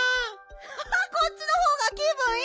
アハハこっちのほうが気ぶんいい。